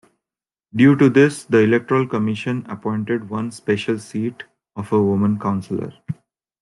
Due to this, the Electoral Commission appointed one special seat of a woman councillor.